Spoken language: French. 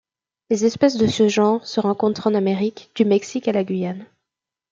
Les espèces de ce genre se rencontrent en Amérique, du Mexique à la Guyane.